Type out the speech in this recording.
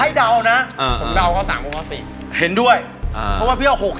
พูดเลยว่าไม่รู้